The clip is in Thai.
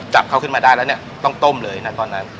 จับเขาขึ้นมาได้แล้วเนี่ยต้องต้มเลยนะตอนนั้น